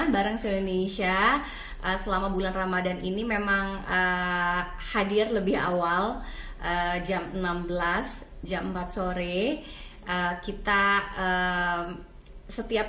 bareng seluruh indonesia selama bulan ramadan ini memang hadir lebih awal jam enam belas jam empat sore kita setiap